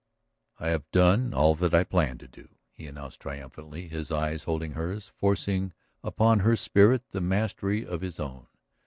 "I have done all that I planned to do," he announced triumphantly, his eyes holding hers, forcing upon her spirit the mastery of his own.